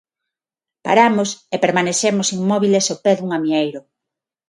Paramos e permanecemos inmóbiles ao pé dun amieiro.